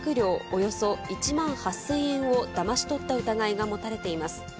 およそ１万８０００円をだまし取った疑いが持たれています。